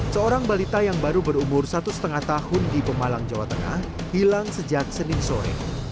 seorang balita yang baru berumur satu lima tahun di pemalang jawa tengah hilang sejak senin sore